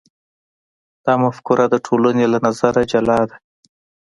دا مفکوره د ټولنې له نظره جلا ده.